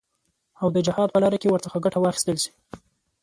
او د جهاد په لاره کې ورڅخه ګټه واخیستل شي.